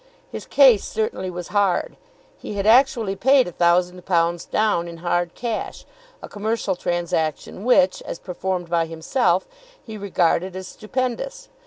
His case certainly was hard. He had actually paid a thousand pounds down in hard cash, a commercial transaction which, as performed by himself, he regarded as stupendous.